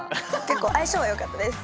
結構相性はよかったです。